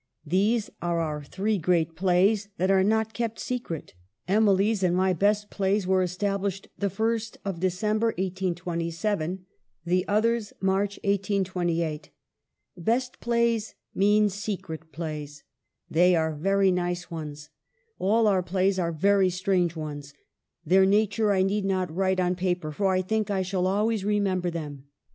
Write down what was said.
These are our three great plays that are not kept secret. Emily's and my best plays were estab lished the 1st of December, 1827; the others, March, 1828. Best plays mean secret plays ; they are very nice ones. All our plays are very strange ones. Their nature I need not write on paper, for I think I shall always remember them.